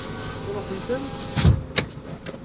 Sṛuḥen-ten?